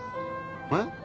えっ？